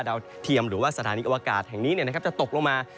เทียมหรือว่าสถานีอวกาศแห่งนี้จะตกลงมา